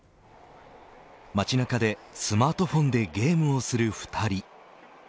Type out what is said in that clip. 街中でスマートフォンでゲームをする２人。